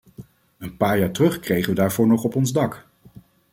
Een paar jaar terug kregen we daarvoor nog op ons dak.